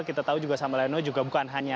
kita tahu juga sama aliano juga bukan hanya